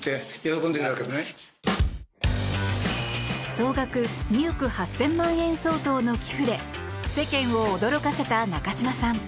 総額２億８０００万円相当の寄付で世間を驚かせた中嶋さん。